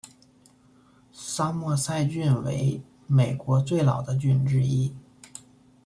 桑莫塞郡为美国最老的郡之一。